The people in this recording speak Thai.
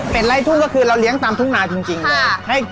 เป็นไล่ทุ่งก็คือเราเลี้ยงตามทุ่งนาจริงเลย